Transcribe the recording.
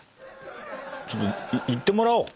ちょっと行ってもらおう。